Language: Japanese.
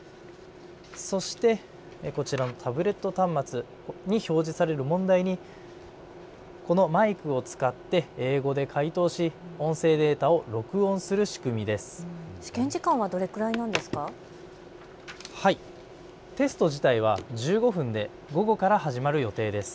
そしてこちらのタブレット端末に表示される問題にこのマイクを使って英語で解答し音声データを録音する仕組みです。